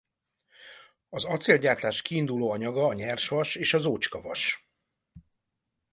Az acélgyártás kiinduló anyaga a nyersvas és az ócskavas.